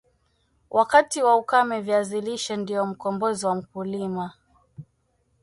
wakati wa ukame Viazi lishe ndio mkombozi wa mkulima